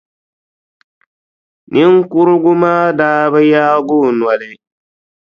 Niŋkurugu maa daa bi yaagi o noli.